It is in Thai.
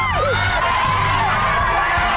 ทีม๒